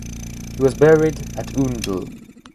He was buried at Oundle.